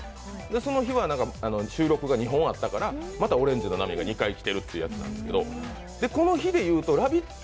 その日は収録が２本あったからオレンジの波が２回来てるってやつなんですけど、この日で言うと「ラヴィット！」